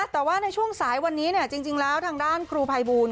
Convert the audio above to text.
แต่ว่าในช่วงสายวันนี้จริงแล้วทางด้านครูภัยบูล